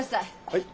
はい？